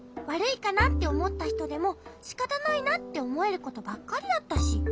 わるいかなっておもったひとでもしかたないなっておもえることばっかりだったし。